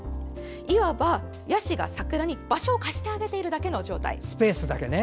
いわば、ヤシが桜に場所を貸してあげているだけの状態。